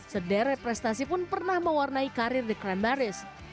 sederet prestasi pun pernah mewarnai karir the crown baris